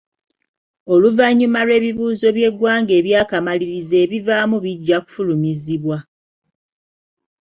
Oluvannyuma lw'ebibuuzo by'eggwanga eby'akamalirizo ebivaamu bijja kufulumizibwa.